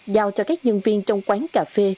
giao cho các nhân viên trong quán cà phê